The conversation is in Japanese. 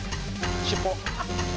尻尾。